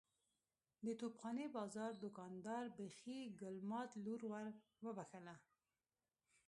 د توپ خانې بازار دوکاندار بخۍ ګل ماد لور ور وبخښله.